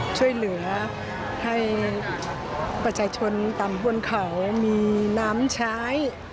ช่วยเหลือให้ประชาชนต่ำบนเขามีน้ำใช้